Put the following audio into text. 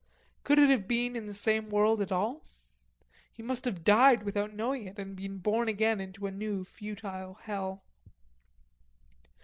Could it have been in the same world at all? He must have died without knowing it and been born again into a new, futile hell.